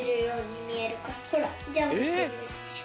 ほらジャンプしてるようでしょ。